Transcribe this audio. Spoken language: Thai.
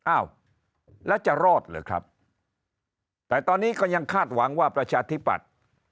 อ้าวแล้วจะรอดเหรอครับแต่ตอนนี้ก็ยังคาดหวังว่าประชาธิปัตย์